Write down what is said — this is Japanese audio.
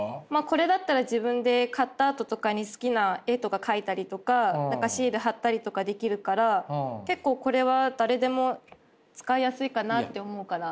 これだったら自分で買ったあととかに好きな絵とか描いたりとかシール貼ったりとかできるから結構これは誰でも使いやすいかなって思うから。